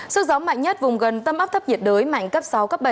sức gió mạnh nhất vùng gần tâm áp thấp nhiệt đới mạnh cấp sáu cấp bảy